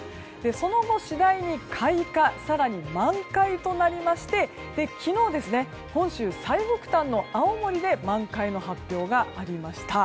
その後、次第に開花更に満開となりまして、昨日本州最北端の青森で満開の発表がありました。